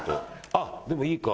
あっでもいいか。